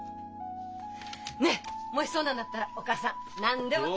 ねえもしそうなんだったらお母さん何でも。